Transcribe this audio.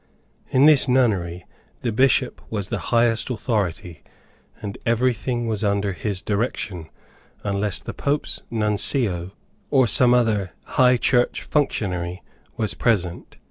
In this nunnery the Bishop was the highest authority, and everything was under his direction, unless the Pope's Nuncio, or some other high church functionary was present.